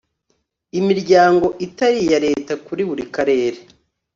imiryango itari iya leta kuri buri karere